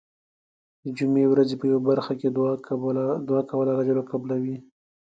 د جمعې ورځې په یو برخه کې دعا کول الله ج قبلوی .